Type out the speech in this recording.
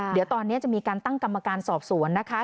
เดี๋ยวตอนนี้จะมีการตั้งกรรมการสอบสวนนะคะ